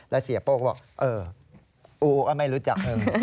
แล้วเสียโป้ก็บอกเอออูก็ไม่รู้จักมึง